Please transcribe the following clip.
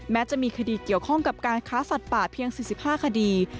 จะมีคดีเกี่ยวข้องกับการค้าสัตว์ป่าเพียง๔๕คดี